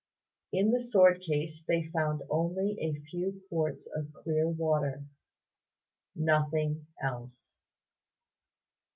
In the sword case they found only a few quarts of clear water; nothing else.